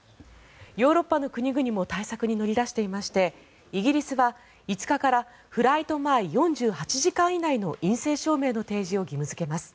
ヨーロッパの国々も対策に乗り出していましてイギリスは５日からフライト前４８時間以内の陰性証明の提示を義務付けます。